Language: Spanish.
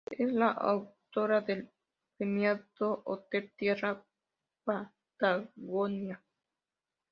Es la autora del premiado Hotel Tierra Patagonia.